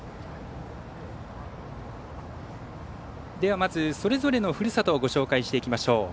まず、それぞれのふるさとをご紹介していきましょう。